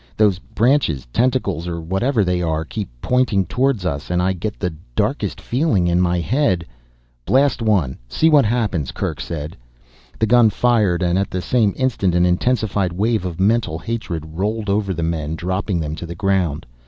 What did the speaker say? Those branches, tentacles or whatever they are, keep pointing towards us and I get the darkest feeling in my head ..." "Blast one, see what happens," Kerk said. The gun fired and at the same instant an intensified wave of mental hatred rolled over the men, dropping them to the ground.